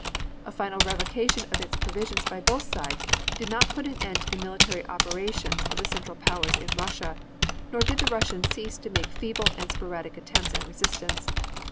A final revocation of its provisions by both sides did not put an end to the military operations of the Central Powers in Russia, nor did the Russians cease to make feeble and sporadic attempts at resistance.